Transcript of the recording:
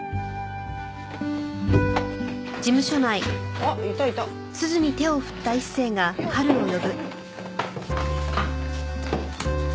あっいたいた。